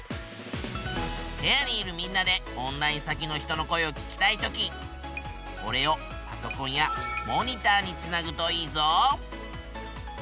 部屋にいるみんなでオンライン先の人の声を聞きたい時おれをパソコンやモニターにつなぐといいぞ。